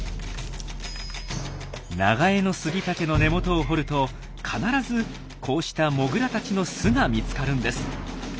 ナガエノスギタケの根元を掘ると必ずこうしたモグラたちの巣が見つかるんです。